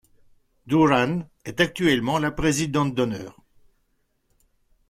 Durán est actuellement la Présidente d'Honneur.